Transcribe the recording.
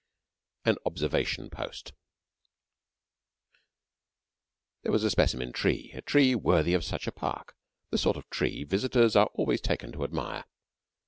AN OBSERVATION POST There was a specimen tree a tree worthy of such a park the sort of tree visitors are always taken to admire.